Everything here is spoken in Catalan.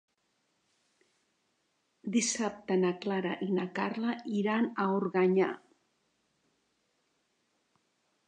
Dissabte na Clara i na Carla iran a Organyà.